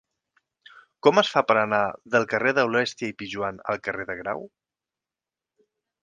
Com es fa per anar del carrer d'Aulèstia i Pijoan al carrer de Grau?